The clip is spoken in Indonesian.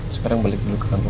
sekarang balik dulu ke kantor